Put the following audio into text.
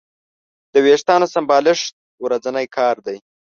د وېښتیانو سمبالښت ورځنی کار دی.